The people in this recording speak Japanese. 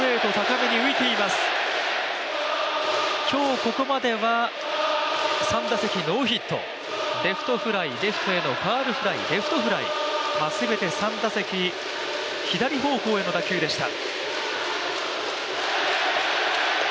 今日ここまでは３打席ノーヒットレフトフライ、レフトへのファウルフライ、レフトフライ、すべて３打席左方向への打球でした。